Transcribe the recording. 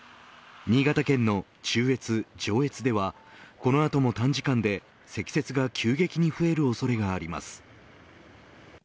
新潟県の中越、上越ではこの後も短時間で積雪が急激に増える恐れがあります。